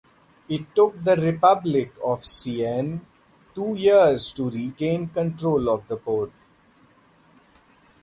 It took the Republic of Siena two years to regain control of the port.